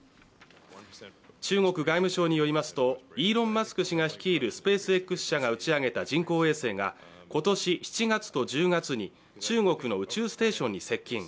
中国外務省によりますとイーロン・マスク氏が率いるスペースＸ社が打ち上げた人工衛星が今年７月と１０月に中国の宇宙ステーションに接近。